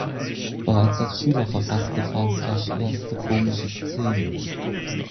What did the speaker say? Bereits als Schüler verfasste Farkas erste komische Szenen.